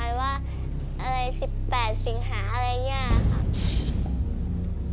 อะไร๑๘สิงหาอะไรอย่างนี้